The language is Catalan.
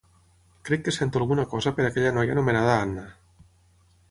Crec que sento alguna cosa per aquella noia anomenada Anna.